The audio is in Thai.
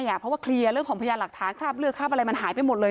เพราะว่าเคลียร์เรื่องของพยานหลักฐานคราบเลือดคราบอะไรมันหายไปหมดเลย